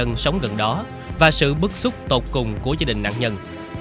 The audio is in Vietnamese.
đầy nhiệt độ hoang mang cho những người dân sống gần đó mà sẽ mất sức cùng của gia đình đàn nhân